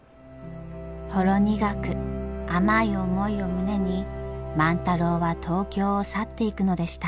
ほろ苦く甘い思いを胸に万太郎は東京を去っていくのでした。